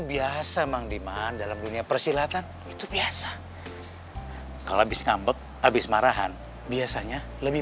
biasa mang demand dalam dunia persilatan itu biasa kalau habis ngambek habis marahan biasanya lebih